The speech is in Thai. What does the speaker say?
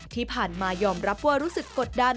ที่ผ่านมายอมรับว่ารู้สึกกดดัน